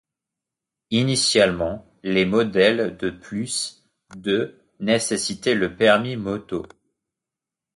Initialement, les modèles de plus de nécessitaient le permis moto.